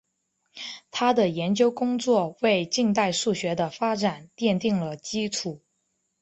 他的研究工作为近代数学的发展奠定了基础。